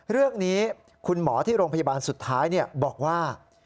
เรื่องนี้คุณหมอที่โรงพยาบาลสุดท้ายบอกว่า